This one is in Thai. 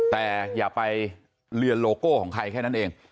แต่อย่าไปเลือนโลโก้ของใครแค่นั้นเอง